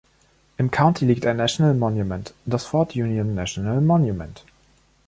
Im County liegt ein National Monument, das Fort Union National Monument.